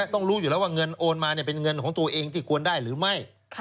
ต้องรู้อยู่แล้วว่าเงินโอนมาเป็นเงินของตัวเองที่ควรได้หรือไม่